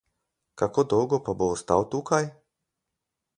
Kako dolgo pa bo ostal tukaj?